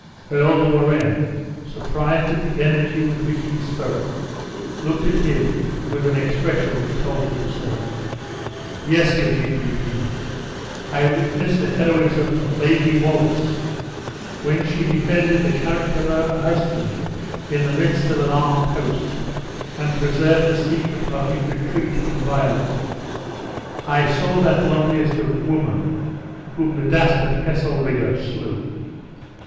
Earl de Warenne, surprised at the energy with which he spoke, looked at him with an expression that told him so. "Yes," continued he, "I witnessed the heroism of Lady Wallace, when she defended the character of her husband in the midst of an armed host, and preserved the secret of his retreat inviolate. I saw that loveliest of women, whom the dastard Heselrigge slew."